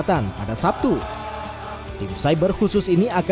tim cyber khusus